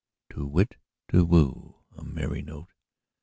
To whit, Tu whoo! A merry note!